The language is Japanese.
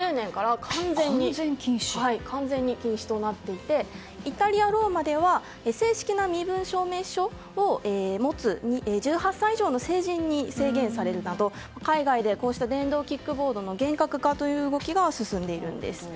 カナダのモントリオールでは２０２０年からは完全に禁止となっていてイタリア・ローマでは正式な身分証明書を持つ１８歳の成人に制限されるなど海外で電動キックボードの厳格化という動きが進んでいます。